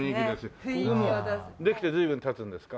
ここできて随分経つんですか？